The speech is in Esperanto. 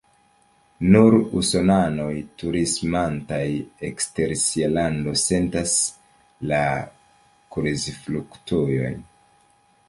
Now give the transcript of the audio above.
Nur usonanoj turismantaj ekster sia lando sentas la kurzfluktuojn.